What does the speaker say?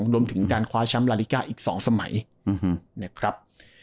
รวมถึงการคว้าแชมป์ลาลิกาอีก๒สมัยนะครับ